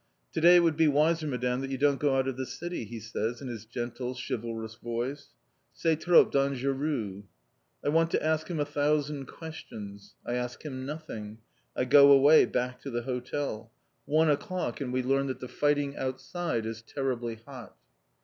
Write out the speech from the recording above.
"To day it would be wiser, Madame, that you don't go out of the city," he says in his gentle, chivalrous voice. "C'est trop dangereux!" I want to ask him a thousand questions. I ask him nothing, I go away, back to the hotel. One o'clock, and we learn that the fighting outside is terribly hot.